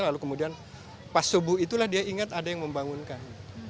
lalu kemudian pas subuh itulah dia ingat ada yang membangunkan